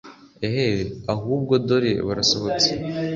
eheee ahubwo dore barasohotse